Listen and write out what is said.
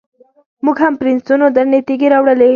موږ هم پرنسونو درنې تیږې واړولې.